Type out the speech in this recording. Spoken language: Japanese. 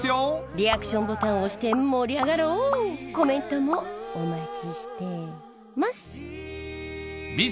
リアクションボタンを押して盛り上がろうコメントもお待ちしてます！